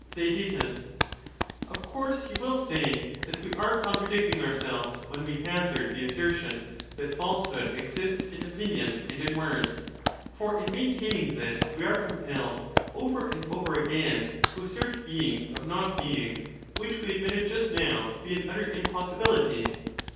TheaeU Of course he will say that we are contradicting ourselves when we hazard the assertion, that falsehood exists in opinion and in words; for in maintaining this, we are compelled over and over again to assert being of not being, which we admitted just now to be an utter impossibility.